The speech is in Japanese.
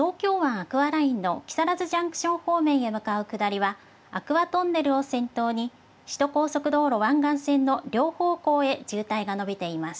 アクアラインの木更津ジャンクション方面へ向かう下りは、アクアトンネルを先頭に首都高速道路湾岸線の両方向へ渋滞が延びています。